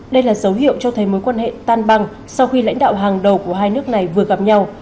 đây là dấu hiệu cho thấy mối quan hệ tan băng sau khi lãnh đạo hàng đầu của hai nước này vừa gặp nhau